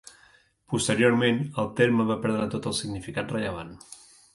Posteriorment, el terme va perdre tot el significat rellevant.